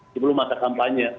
sebelum masa kampanye